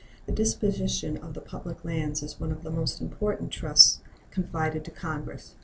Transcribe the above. The disposition of the public lands is one of the most important trusts confided to Congress.